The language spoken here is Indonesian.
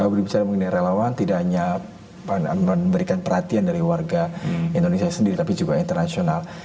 berbicara mengenai relawan tidak hanya memberikan perhatian dari warga indonesia sendiri tapi juga internasional